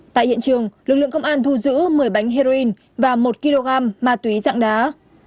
tại hiện trường lực lượng công an thu giữ một mươi bánh heroin và một kg ma túy dạng đá